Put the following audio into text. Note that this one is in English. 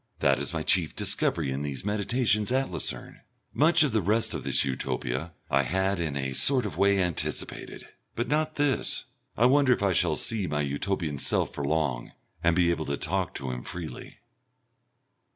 That is my chief discovery in these meditations at Lucerne. Much of the rest of this Utopia I had in a sort of way anticipated, but not this. I wonder if I shall see my Utopian self for long and be able to talk to him freely....